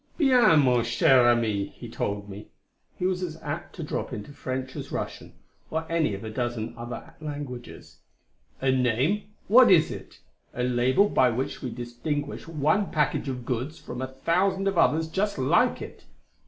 "Bien, mon cher ami," he told me he was as apt to drop into French as Russian or any of a dozen other languages "a name what is it? A label by which we distinguish one package of goods from a thousand others just like it!